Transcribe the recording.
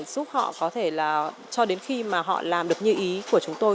giúp họ có thể là cho đến khi mà họ làm được như ý của chúng tôi